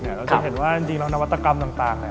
เราจะเห็นว่าจริงแล้วนวัตกรรมต่าง